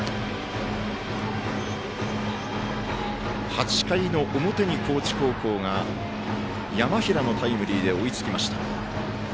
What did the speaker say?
８回の表に高知高校が山平のタイムリーで追いつきました。